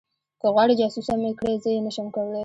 که غواړې جاسوسه مې کړي زه یې نشم کولی